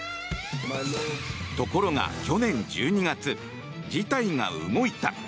ところが去年１２月事態が動いた。